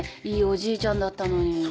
いいおじいちゃんだったのに。